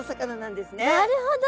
なるほど。